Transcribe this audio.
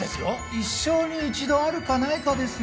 一生に一度あるかないかですよ？